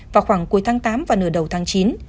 vào khoảng cuối tháng tám và nửa đầu tháng chín